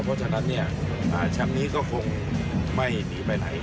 เพราะฉะนั้นเนี่ยแชมป์นี้ก็คงไม่หนีไปไหน